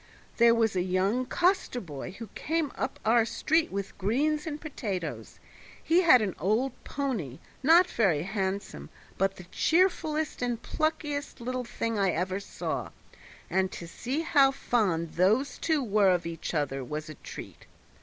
There was a young coster boy who came up our street with greens and potatoes; he had an old pony, not very handsome, but the cheerfullest and pluckiest little thing I ever saw, and to see how fond those two were of each other was a treat.